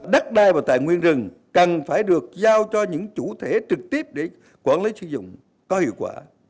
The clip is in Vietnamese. đất đai và tài nguyên rừng cần phải được giao cho những chủ thể trực tiếp để quản lý sử dụng có hiệu quả